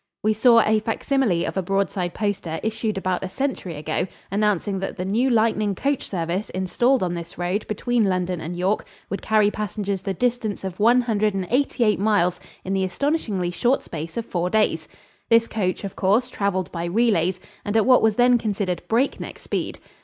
We saw a facsimile of a broadside poster issued about a century ago announcing that the new lightning coach service installed on this road between London and York would carry passengers the distance of one hundred and eighty eight miles in the astonishingly short space of four days. This coach, of course, traveled by relays, and at what was then considered breakneck speed.